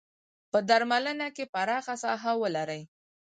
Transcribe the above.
په درملنه کې پراخه ساحه ولري.